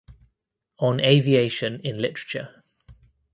On aviation in literature.